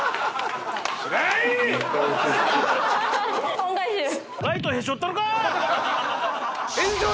恩返しです。